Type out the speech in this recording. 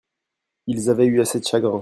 Ils avaient eu assez de chagrin.